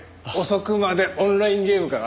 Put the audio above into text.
遅くまでオンラインゲームか？